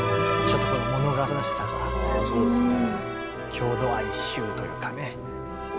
郷土愛集というかね。